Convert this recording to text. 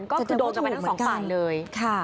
ก็คือโดนกลับไปทั้งสองปั่นเลย